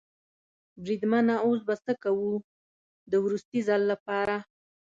بریدمنه اوس به څه کوو؟ د وروستي ځل لپاره.